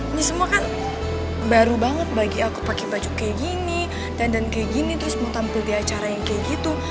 ini semua kan baru banget bagi aku pakai baju kayak gini dan kayak gini terus mau tampil di acara yang kayak gitu